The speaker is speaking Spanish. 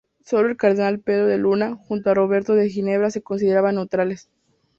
Solo el cardenal Pedro de Luna, junto a Roberto de Ginebra, se consideraban neutrales.